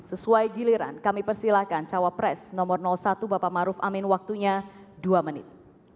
sesuai giliran kami persilahkan cawapres nomor satu bapak maruf amin waktunya dua menit